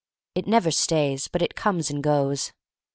It never stays, but it comes and goes.